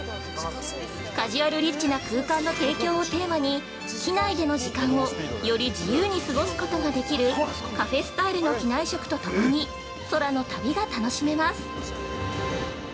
カジュアルリッチな空間の提供をテーマに、機内での時間をより自由に過ごすことができるカフェスタイルの機内食とともに空の旅が楽しめます。